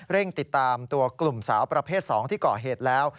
ติดตามตัวกลุ่มสาวประเภท๒ที่ก่อเหตุแล้ว